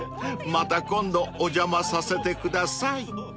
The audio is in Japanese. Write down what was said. また今度お邪魔させてください］